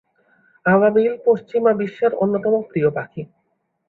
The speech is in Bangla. আবাবিল পশ্চিমা বিশ্বের অন্যতম প্রিয় পাখি।